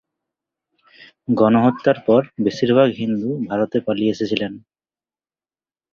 গণহত্যার পরে বেশিরভাগ হিন্দু ভারতে পালিয়ে এসেছিলেন।